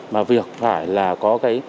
mà việc phải là có cái